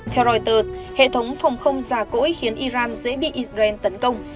theo reuters hệ thống phòng không già cỗi khiến iran dễ bị israel tấn công